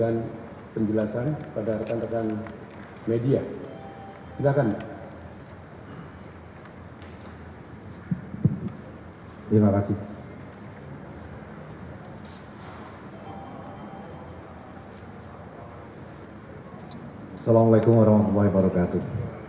assalamu'alaikum warahmatullahi wabarakatuh